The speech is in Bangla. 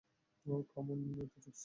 ওহ, কাম অন এটা জোক্স ছিল।